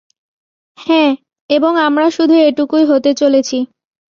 হ্যাঁ, এবং আমরা শুধু এটুকুই হতে চলেছি।